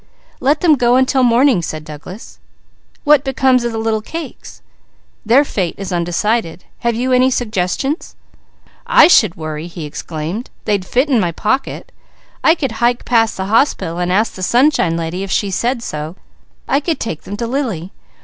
"Let them go until morning," said Douglas. "What becomes of the little cakes?" "Their fate is undecided. Have you any suggestions?" "I should worry!" he exclaimed. "They'd fit my pocket. I could hike past the hospital and ask the Sunshine Lady; if she said so, I could take them to Lily.